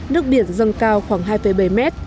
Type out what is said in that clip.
nước biển dâng cao khoảng hai bảy m